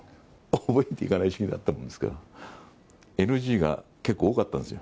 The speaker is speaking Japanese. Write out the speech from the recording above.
覚えていかない主義だったもんですから、ＮＧが結構多かったんですよ。